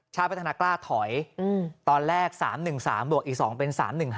พัฒนากล้าถอยตอนแรก๓๑๓บวกอีก๒เป็น๓๑๕